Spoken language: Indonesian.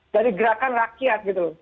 dari gerakan rakyat gitu